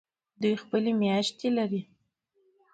دوی خپلې میاشتې لري.